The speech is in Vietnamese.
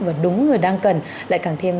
và đúng người đang cần lại càng thêm